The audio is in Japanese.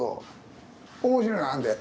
面白いのあんで。